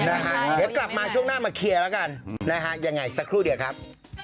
เดี๋ยวกลับมาช่วงหน้ามาเคลียร์แล้วกันนะฮะยังไงสักครู่เดียวครับ